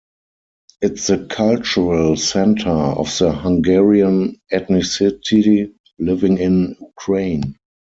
It's the cultural centre of the Hungarian ethnicity living in Ukraine.